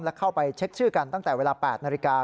และเข้าไปเช็คชื่อกันตั้งแต่เวลา๘นาฬิกา